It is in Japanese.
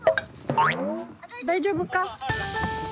大丈夫か？